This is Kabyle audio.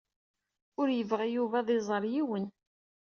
Ur yebɣi Yuba ad iẓeṛ yiwen.